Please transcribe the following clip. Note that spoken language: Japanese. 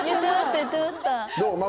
言ってました。